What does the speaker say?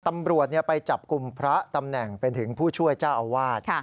ตำรวจไปจับกลุ่มพระตำแหน่งเป็นถึงผู้ช่วยเจ้าอาวาส